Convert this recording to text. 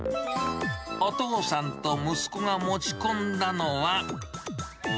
お父さんと息子が持ち込んだのは。